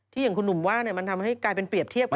อย่างคุณหนุ่มว่ามันทำให้กลายเป็นเปรียบเทียบกัน